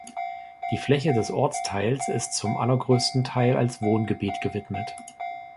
Die Fläche des Ortsteils ist zum allergrößten Teil als Wohngebiet gewidmet.